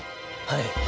はい。